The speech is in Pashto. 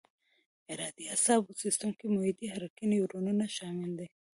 ارادي اعصابو سیستم کې محیطي حرکي نیورونونه شامل دي.